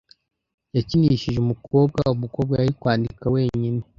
Yakinishije umukobwa umukobwa yari kwandika wenyine.